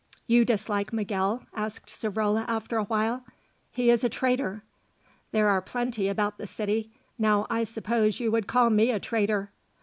"You dislike Miguel?" asked Savrola after a while. "He is a traitor." "There are plenty about the city. Now I suppose you would call me a traitor."